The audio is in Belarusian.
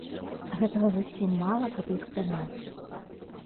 Гэтага зусім мала, каб іх прыняць.